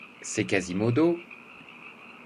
C'est Quasimodo!